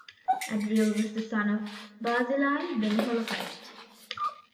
Adriel was the son of Barzillai, the Meholathite.